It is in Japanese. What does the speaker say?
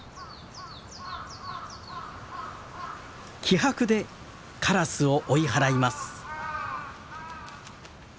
気迫でカラスを追い払います。